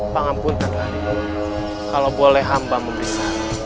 pangampunten raden kalau boleh hamba memberikan